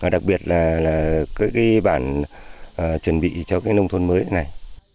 đặc biệt là các bản chuẩn bị cho cái nông thôn mới này